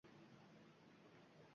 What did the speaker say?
Hamma bu signalni eshitadi